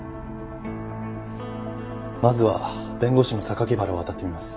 まずは弁護士の原を当たってみます。